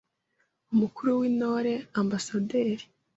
Umukuru w’Intore: Ambasaderi